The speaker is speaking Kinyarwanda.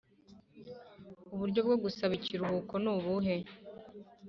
Uburyo bwo gusaba ikiruhuko nubuhe